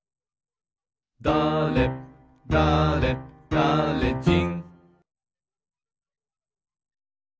「だれだれだれじん」